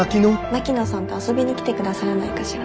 槙野さんと遊びに来てくださらないかしら？